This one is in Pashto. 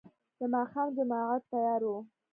د ماښام جماعت تيار و.